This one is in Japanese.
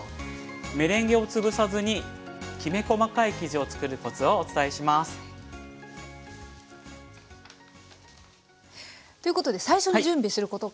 メレンゲを潰さずにきめ細かい生地を作るコツをお伝えします。ということで最初に準備することから教わります。